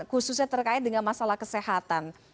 khususnya terkait dengan masalah kesehatan